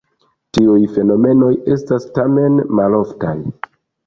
Tiuj fenomenoj estas tamen maloftaj.